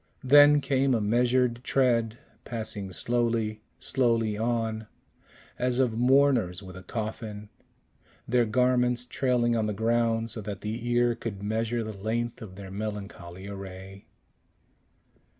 Then came a measured tread, passing slowly, slowly on, as of mourners with a coffin, their garments trailing on the ground, so that the ear could measure the length of their melancholy array.